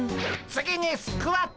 次にスクワット！